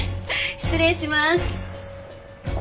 失礼します。